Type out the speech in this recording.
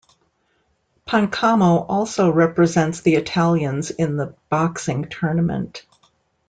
Pancamo also represents the Italians in the boxing tournament.